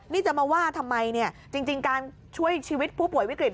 นี่จะมาว่าทำไมจริงการช่วยชีวิตผู้ป่วยวิกฤต